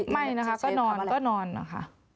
ไม่นะคะก็นอนนะคะ